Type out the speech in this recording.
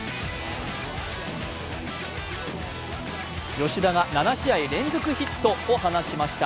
吉田が７試合連続ヒットを放ちました。